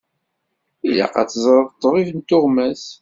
Ilaq ad teẓreḍ ṭṭbib n tuɣmas.